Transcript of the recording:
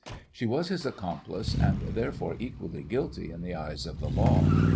She was his accomplice, and, therefore, equally guilty in the eyes of the law.